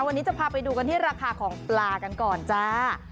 วันนี้จะพาไปดูกันที่ราคาของปลากันก่อนจ้า